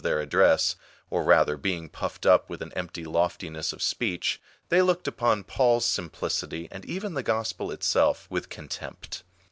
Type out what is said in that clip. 88 THE ARGUMENT ON THE their address, or rather, being puffed up with an empty loftiness of speech, they looked upon Paul's simplicity, and even the Gospel itself, with contempt.